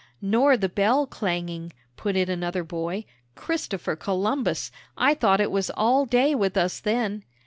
"Nor the bell clanging," put in another boy; "Christopher Columbus, I thought it was all day with us then!"